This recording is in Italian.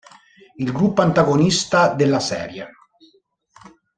Il gruppo antagonista della serie.